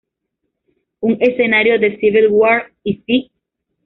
Un escenario de "Civil War" "¿y si?